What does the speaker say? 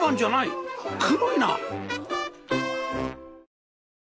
黒いな！